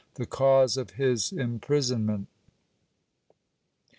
The cause of his imprisonment.